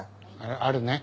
あるね。